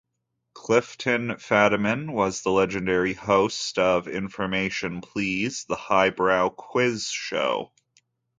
Clifton Fadiman was the legendary host of "Information Please", the highbrow quiz show.